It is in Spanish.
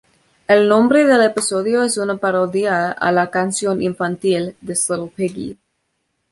El nombre del episodio es una parodia a la canción infantil This Little Piggy.